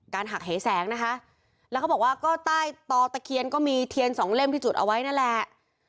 หักเหแสงนะคะแล้วเขาบอกว่าก็ใต้ต่อตะเคียนก็มีเทียนสองเล่มที่จุดเอาไว้นั่นแหละ